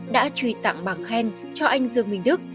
đã truy tặng bằng khen cho anh dương minh đức